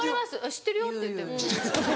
「知ってるよ」って言う。